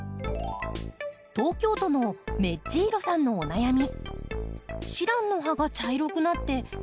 東京都のめっじーろさんのお悩み。